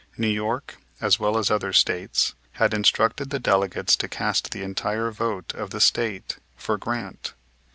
New York, as well as other States, had instructed the delegates to cast the entire vote of the State for Grant.